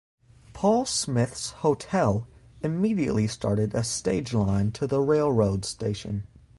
Paul Smith's Hotel immediately started a stage line to the railroad station.